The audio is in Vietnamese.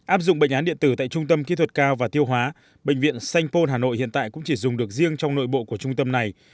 áp dụng bệnh án điện tử tại trung tâm kỹ thuật cao và tiêu hóa bệnh viện sanh pôn hà nội hiện tại cũng chỉ dùng được riêng trong nội bộ của trung tâm này